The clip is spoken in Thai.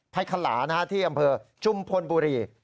ขลาที่อำเภอจุมพลบุรี